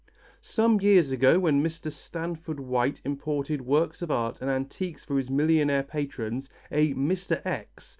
Some years ago when Mr. Stanford White imported works of art and antiques for his millionaire patrons, a Mr. X.